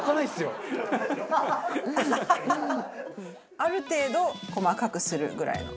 ある程度細かくするぐらいの。